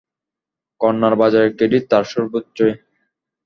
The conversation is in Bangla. কন্যার বাজারে ক্রেডিট তার সর্বোচ্চে।